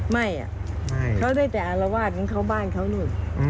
ไม่เขาได้จ่ายอารวาสมันเข้าบ้านเขานู่น